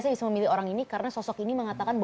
saya bisa memilih orang ini karena sosok ini mengatakan